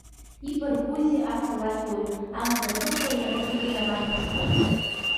Ибаргәузеи ақалақьуаҩ, амзаҭәымҭа иара изы иромантикоуп.